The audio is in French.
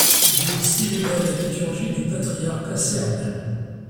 Il y est célébré la liturgie du patriarcat Serbe.